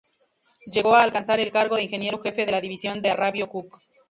Llegó a alcanzar el cargo de Ingeniero Jefe de la División de arrabio-cok.